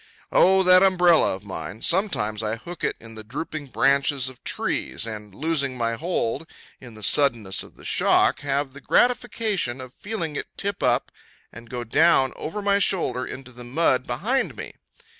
O that umbrella of mine! Sometimes I hook it in the drooping branches of trees, and, losing my hold in the suddenness of the shock, have the gratification of feeling it tip up, and go down over my shoulder into the mud behind me.